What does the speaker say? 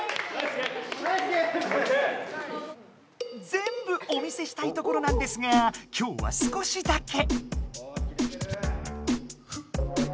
ぜんぶお見せしたいところなんですが今日は少しだけ。